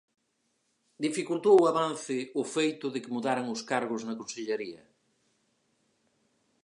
Dificultou o avance o feito de que mudaran os cargos na consellaría?